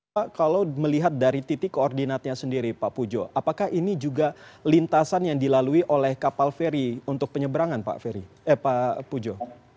pak kalau melihat dari titik koordinatnya sendiri pak pujo apakah ini juga lintasan yang dilalui oleh kapal feri untuk penyeberangan pak ferry pak pujo